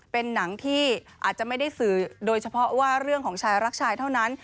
เป็นหนังที่อาจจะไม่ได้สื่อโดยเฉพาะว่าเรื่องของชายรักชายเท่านั้น